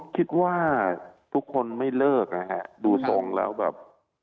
คิดว่าทุกคนไม่เลิกนะฮะดูทรงแล้วแบบ